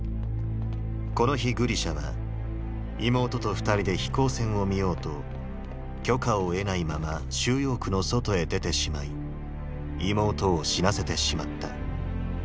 この日グリシャは妹と二人で飛行船を見ようと許可を得ないまま収容区の外へ出てしまい妹を死なせてしまった。